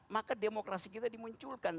maka demokrasi kita dimunculkan